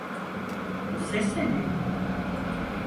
Bu ses de neydi?